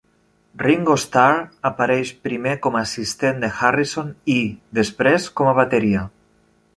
Ringo Starr apareix primer com a "assistent" de Harrison i, després, com a bateria.